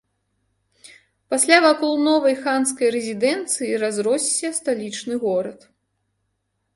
Пасля вакол новай ханскай рэзідэнцыі разросся сталічны горад.